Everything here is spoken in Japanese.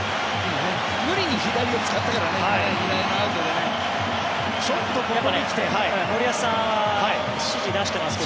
無理に左を使ったからねアウトでね。